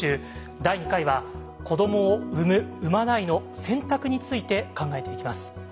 第２回は「子どもを産む・産まないの選択」について考えていきます。